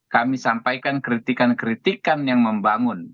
kami sampaikan kritikan kritikan yang membangun